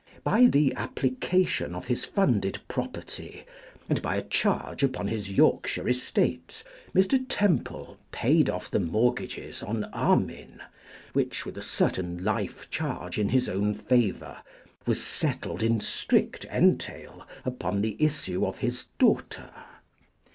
By the application of his funded property, and by a charge upon his Yorkshire estates, Mr. Temple paid off the mortgages on Armine, which, with a certain life charge in his own favour, was settled in strict entail upon the issue of his daughter.